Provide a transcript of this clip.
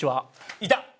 いた！